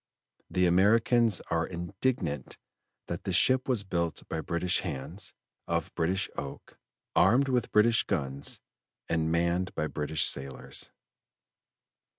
The Americans are indignant that the ship was built by British hands, of British oak, armed with British guns, and manned by British sailors."